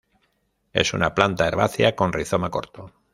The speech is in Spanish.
Es una planta herbácea con rizoma corto.